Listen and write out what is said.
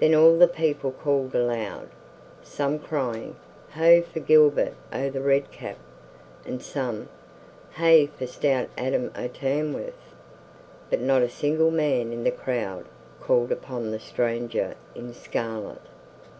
Then all the people called aloud, some crying, "Ho for Gilbert o' the Red Cap!" and some, "Hey for stout Adam o' Tamworth!" But not a single man in the crowd called upon the stranger in scarlet.